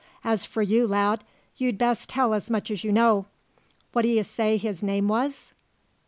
As for you, lad, you'd best tell as much as you know. What d'ye say his name was?"